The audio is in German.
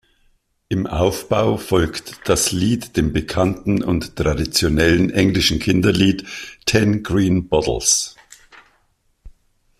Im Aufbau folgt das Lied dem bekannten und traditionellen englischen Kinderlied "Ten Green Bottles".